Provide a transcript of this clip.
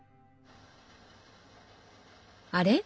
あれ？